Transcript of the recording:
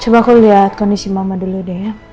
coba aku lihat kondisi mama dulu deh ya